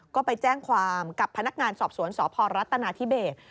ก็ไปแจ้งความกับพนักงานสอบสวนสพรัฐนาธิเบส